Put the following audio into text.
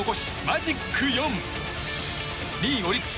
マジック４。